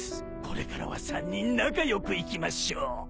これからは３人仲良くいきましょう！